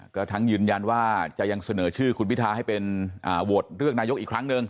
ก็ทั้งยืนยันว่าจะยังเสนอชื่อคุณพิทาให้เป็นโหวตเลือกนายกอีกครั้งหนึ่ง